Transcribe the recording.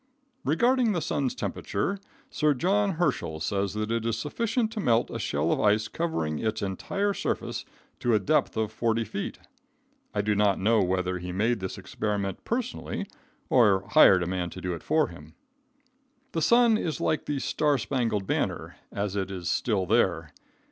Regarding the sun's temperature, Sir John Herschel says that it is sufficient to melt a shell of ice covering its entire surface to a depth of 40 feet. I do not know whether he made this experiment personally or hired a man to do it for him. The sun is like the star spangled banner as it is "still there."